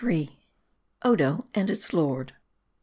ODO AND ITS LORD.